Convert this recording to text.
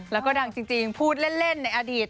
แล้วก็ดังจริงพูดเล่นในอดีต